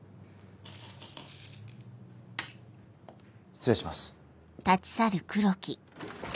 失礼します。